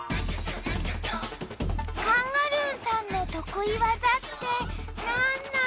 カンガルーさんのとくいわざってなんなの？